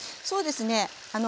そうですね。